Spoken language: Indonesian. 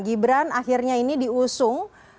gibran akhirnya ini diusung